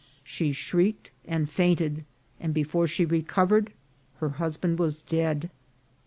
She shrieked and fainted, and before she recovered her husband was dead.